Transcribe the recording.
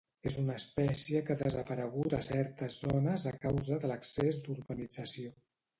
És una espècie que ha desaparegut a certes zones a causa de l'excés d'urbanització.